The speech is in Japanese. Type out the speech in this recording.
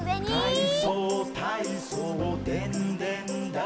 「かいそうたいそうでんでんだいこ」